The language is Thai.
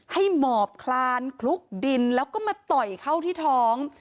หมอบคลานคลุกดินแล้วก็มาต่อยเข้าที่ท้อง